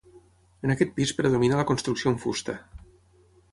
En aquest pis predomina la construcció amb fusta.